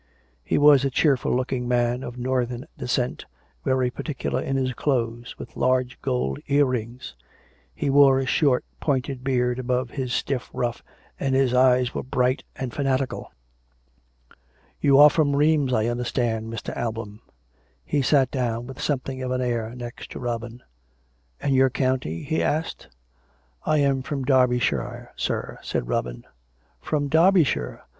He was a cheerful looking man, of northern descent, very particular in his clothes, with large gold ear rings; he wore a short, pointed beard above his "stiff ruff, and his eyes were bright and fanatical. " You are from Rheims, I understand, Mr. Alban." 274 COME RACK! COME ROPE! He sat down with something of an air next to Robin. "And your county ?" he asked. " I am from Derbyshire, sir," said Robin. " From Derbyshire.